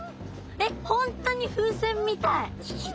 えっ本当に風船みたい。